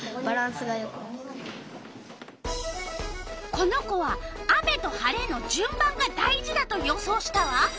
この子は雨と晴れのじゅん番が大事だと予想したわ。